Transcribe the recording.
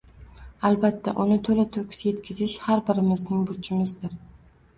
Albatta uni to‘la – to‘kis yetkazish har birimizning burchimzdir